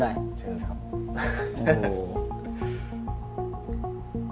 ชื่อครับ